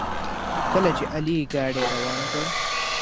کله چې علي ګاډي روان کړ.